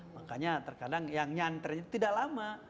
makanya terkadang yang nyantren itu tidak lama